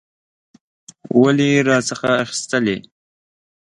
ولي یې راڅخه اخیستلې؟